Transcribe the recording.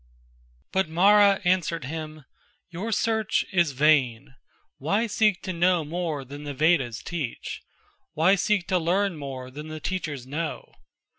But Mara answered him: "Your search is vain. Why seek to know more than the Vedas teach? Why seek to learn more than the teachers know?